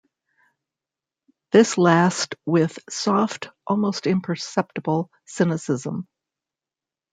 This last with soft, almost imperceptible, cynicism.